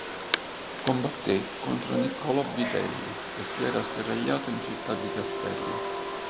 Combatté contro Niccolò Vitelli che si era asserragliato in Città di Castello.